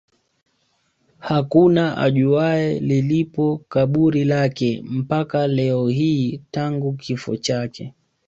Hakuna ajuaye lilipo kaburi lake mpaka leo hii tangu kifo chake